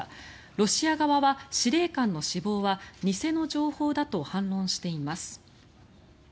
ロシア側は、司令官の死亡は偽の情報だと反論しています。